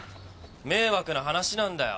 迷惑な話なんだよ。